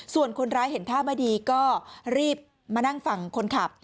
ส่วนคนร้ายเห็นท่าไม่ดีก็รีบมานั่งฝั่งคนขับ